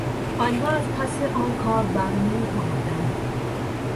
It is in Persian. آنها از پس آن کار بر نمیآمدند.